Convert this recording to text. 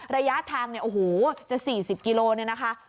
ระยะทางเนี่ยโอ้โหจะ๔๐กิโลเนี่ยนะคะ